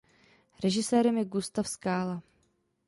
Režisérem je Gustav Skála.